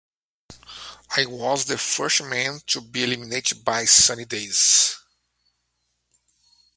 He was the first man to be eliminated by Sunny Daze.